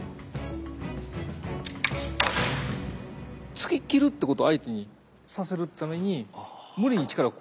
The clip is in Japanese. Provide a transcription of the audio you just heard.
突き切るっていうことを相手にさせるために無理に力を加えない。